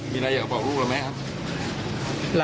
มีอะไรอยากบอกลูกเราไหมครับ